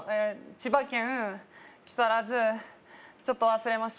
千葉県木更津ちょっと忘れました